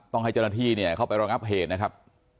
ต้องให้เจ้าหน้าที่เนี่ยเข้าไปรองับเหตุนะครับ